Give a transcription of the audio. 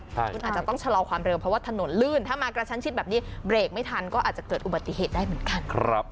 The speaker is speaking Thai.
คุณอาจจะต้องชะลอความเร็วเพราะว่าถนนลื่นถ้ามากระชั้นชิดแบบนี้เบรกไม่ทันก็อาจจะเกิดอุบัติเหตุได้เหมือนกัน